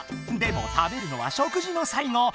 でも食べるのは食事の最後。